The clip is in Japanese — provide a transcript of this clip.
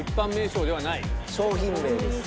商品名です。